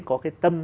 có cái tâm